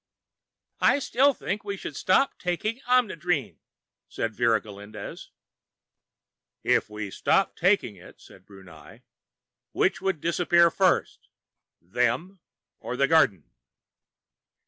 "I still think we should stop taking the Omnidrene," said Vera Galindez. "If we stopped taking it," asked Brunei, "which would disappear first, them ... _or the garden?